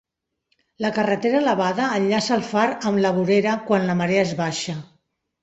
La carretera elevada enllaça el far amb la vorera quan la marea és baixa.